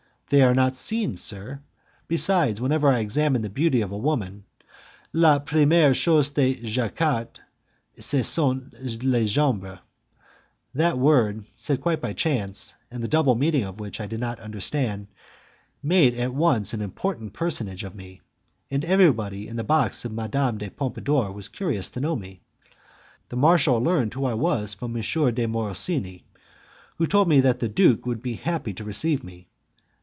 "They are not seen, sir; besides, whenever I examine the beauty of a woman, 'la premiere chose que j'ecarte, ce sont les jambes'." That word said quite by chance, and the double meaning of which I did not understand, made at once an important personage of me, and everybody in the box of Madame de Pompadour was curious to know me. The marshal learned who I was from M. de Morosini, who told me that the duke would be happy to receive me.